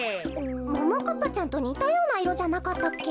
ももかっぱちゃんとにたようないろじゃなかったっけ。